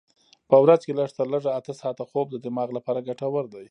په ورځ کې لږ تر لږه اته ساعته خوب د دماغ لپاره ګټور دی.